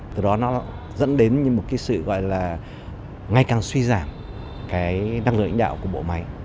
từ đó nó dẫn đến một cái sự gọi là ngay càng suy giảm cái năng lực lãnh đạo của bộ máy